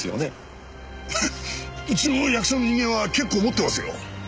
うちの役所の人間は結構持ってますよ。